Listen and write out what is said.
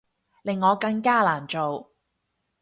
令我更加難做